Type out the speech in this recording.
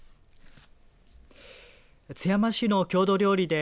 津山市の郷土料理で